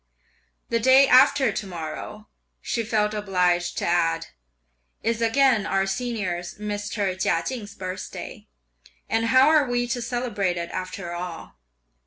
"The day after to morrow," she felt obliged to add, "is again our senior's, Mr. Chia Ching's birthday, and how are we to celebrate it after all?"